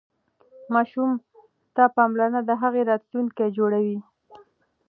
ماشوم ته پاملرنه د هغه راتلونکی جوړوي.